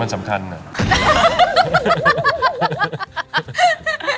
มันสำคัญอ่ะ